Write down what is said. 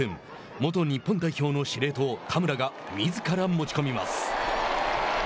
元日本代表の司令塔田村がみずから持ち込みます。